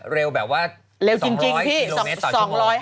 เร็วแบบว่า๒๐๐กิโลเมตรต่อชั่วโมง